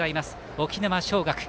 沖縄尚学。